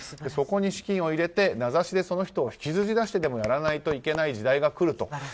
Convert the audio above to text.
そこに資金を入れて、名指しでその人を引きずり出してでもやらないといけない時代が来る。